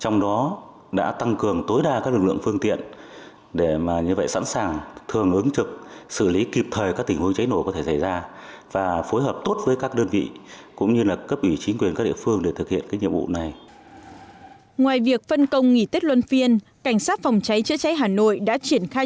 ngoài việc phân công nghỉ tết luân phiên cảnh sát phòng cháy chữa cháy hà nội đã triển khai